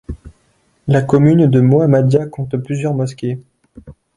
La commune de Mohammadia compte plusieurs mosquées.